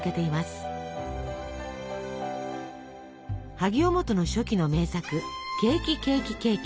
萩尾望都の初期の名作「ケーキケーキケーキ」。